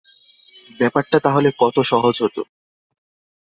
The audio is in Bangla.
ব্যাপারটা তাহলে কত সহজ হত।